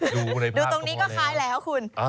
ดูตรงนี้ก็คล้ายแล้วคุณ